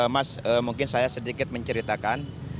mas mungkin saya sedikit menceritakan